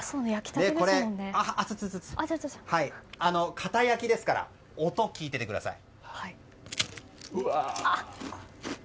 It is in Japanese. これ、堅焼きですから音を聞いててください。